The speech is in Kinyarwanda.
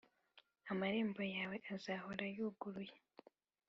amarembo yawe azahora yuguruye,